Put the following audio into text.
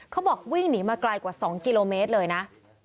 เขาบอกวิ่งหนีมาไกลกว่า๒กิโลเมตรเลยนะ